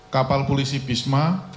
kapal polisi abimanyu tujuh ribu sepuluh